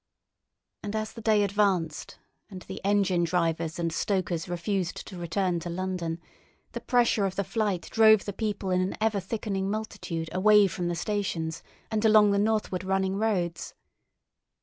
And as the day advanced and the engine drivers and stokers refused to return to London, the pressure of the flight drove the people in an ever thickening multitude away from the stations and along the northward running roads.